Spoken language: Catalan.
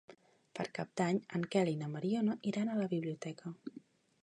Per Cap d'Any en Quel i na Mariona iran a la biblioteca.